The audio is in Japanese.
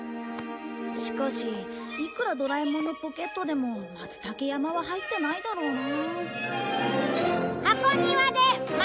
しかしいくらドラえもんのポケットでも松たけ山は入ってないだろうな。